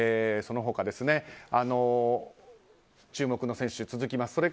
その他、注目の選手が続きます。